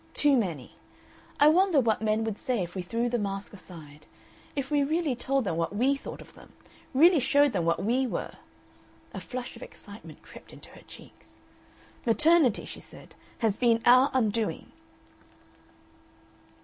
Too many. I wonder what men would say if we threw the mask aside if we really told them what WE thought of them, really showed them what WE were." A flush of excitement crept into her cheeks. "Maternity," she said, "has been our undoing."